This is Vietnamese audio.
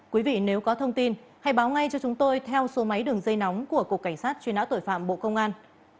quý vị nếu có thông tin hãy báo ngay cho chúng tôi theo số máy đường dây nóng của cục cảnh sát truy nã tội phạm bộ công an